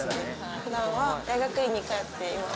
普段は大学院に通っています。